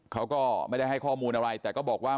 เขาก็ไม่ได้ให้ข้อมูลอะไรแต่ก็บอกว่า